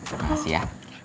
terima kasih ya